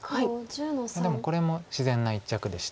でもこれも自然な一着でして。